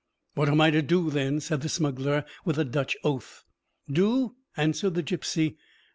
"What am I to do, then?" said the smuggler, with a Dutch oath. "Do?" answered the gipsy.